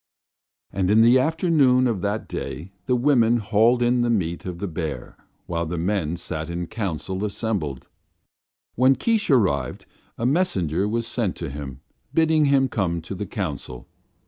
And in the afternoon of that day the women hauled in the meat of the bear while the men sat in council assembled. When Keesh arrived a messenger was sent to him, bidding him come to the council.